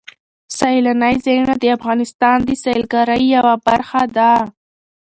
سیلاني ځایونه د افغانستان د سیلګرۍ یوه برخه ده.